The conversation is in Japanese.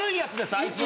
あいつは。